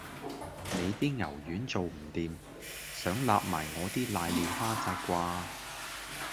你啲牛丸做唔掂，想擸埋我啲攋尿蝦咋啩